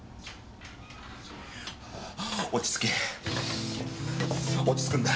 落ち着け落ち着くんだ。